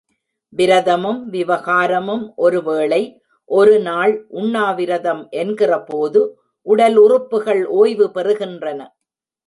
விரதமும் விவகாரமும் ஒரு வேளை, ஒரு நாள் உண்ணாவிரதம் என்கிற போது, உடல் உறுப்புக்கள் ஓய்வு பெறுகின்றன.